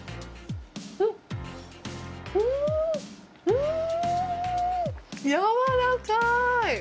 うーん、やわらかい！